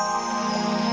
aku akan selalu menjagamu